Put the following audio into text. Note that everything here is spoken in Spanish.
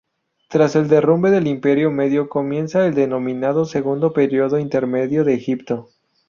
Tras el derrumbe del Imperio Medio comienza el denominado segundo periodo intermedio de Egipto.